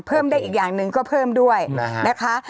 เพิ่มได้อีกอย่างหนึ่งก็เพิ่มด้วยนะคะ